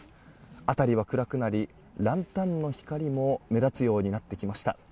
辺りは暗くなりランタンの光も目立つようになってきました。